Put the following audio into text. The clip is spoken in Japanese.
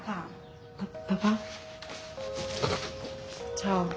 じゃあね。